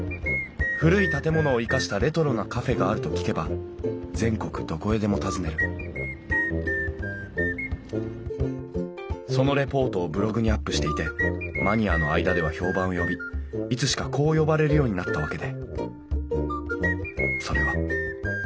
古い建物を生かしたレトロなカフェがあると聞けば全国どこへでも訪ねるそのレポートをブログにアップしていてマニアの間では評判を呼びいつしかこう呼ばれるようになったわけで。